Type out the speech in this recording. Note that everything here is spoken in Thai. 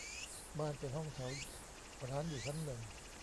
บ้านเป็นห้องแถว ร้านอยู่ชั้นหนึ่ง